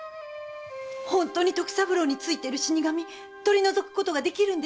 本当に徳三郎に憑いてる死神取り除くことが出来るんですか？